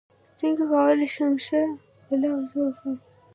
څنګه کولی شم ښه بلاګ جوړ کړم